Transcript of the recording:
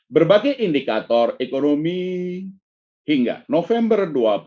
berbagai indikator ekonomi hingga november dua ribu dua puluh